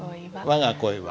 「わが恋は」。